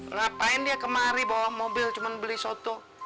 ngapain dia kemari bawa mobil cuma beli soto